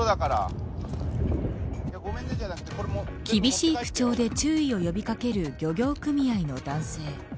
厳しい口調で注意を呼び掛ける漁業組合の男性。